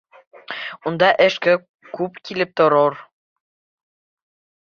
Унда эш күп килеп тороп.